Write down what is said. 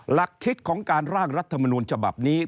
หลักคิดของการร่างรัฐมนูลฉบับนี้